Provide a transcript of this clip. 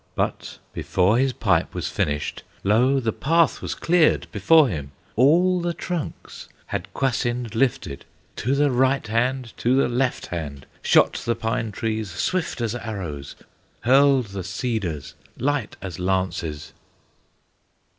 But before his pipe was finished, Lo! the path was cleared before him; All the trunks had Kwasind lifted, To the right hand, to the left hand, Shot the pine trees swift as arrows, Hurled the cedars light as lances.